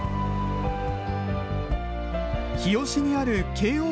日吉にある慶応